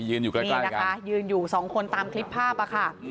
ยืนอยู่ใกล้กันนี่นะคะยืนอยู่๒คนตามคลิปภาพค่ะ